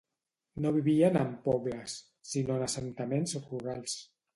No vivien en pobles, sinó en assentaments rurals.